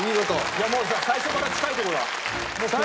じゃあもう最初から近いところだ。